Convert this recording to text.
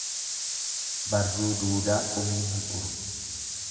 Barruu duudaa qubni hin uru.